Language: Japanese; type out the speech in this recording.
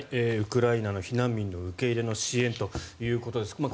ウクライナの避難民の受け入れの支援ということです。